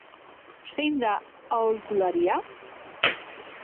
Zein da aholkularia?